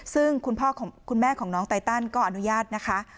ซึ่งคุณพ่อคุณแม่ของน้องไตตันก็อนุญาตนะคะ